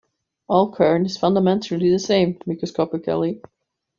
All current is fundamentally the same, microscopically.